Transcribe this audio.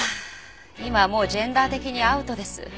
今はもうジェンダー的にアウトです。